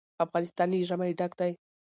افغانستان له ژمی ډک دی.